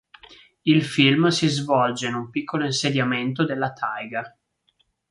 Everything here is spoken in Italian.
Il film si svolge in un piccolo insediamento della taiga.